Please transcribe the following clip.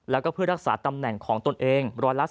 แล้วก็เพื่อรักษาตำแหน่งของตนเอง๑๓